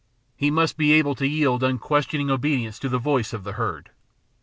He must be able to yield unquestioning obedience to the voice of the herd.